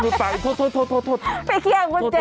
ไม่เคียงคุณเจเอง